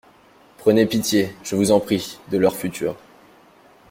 Prenez pitié, je vous en prie, de leur futur.